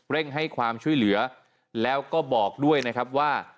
ให้ความช่วยเหลือแล้วก็บอกด้วยนะครับว่า